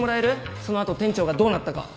その後店長がどうなったか。